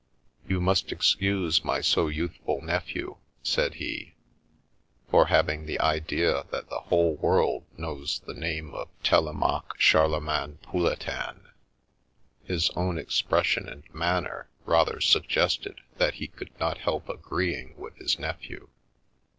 " You must excuse my so youthful nephew," said he, " for having the idea that the whole world knows the name of Telemaque Charlemagne Pouletin." (His own expression and manner rather suggested that he could not help agreeing with his nephew.)